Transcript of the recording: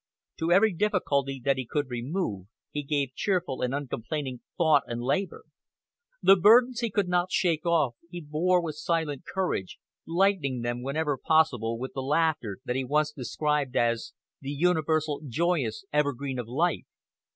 To every difficulty that he could remove he gave cheerful and uncomplaining thought and labor. The burdens he could not shake off he bore with silent courage, lightening them whenever possible with the laughter that he once described as the "universal joyous evergreen of life."